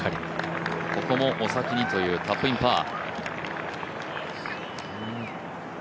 ここもお先にというタップインパー。